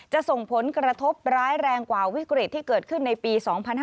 ส่งผลกระทบร้ายแรงกว่าวิกฤตที่เกิดขึ้นในปี๒๕๕๙